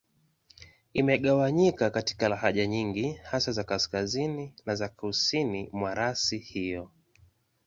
Imegawanyika katika lahaja nyingi, hasa za Kaskazini na za Kusini mwa rasi hiyo.